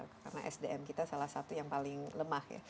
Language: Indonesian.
karena sdm kita salah satu yang paling lemah ya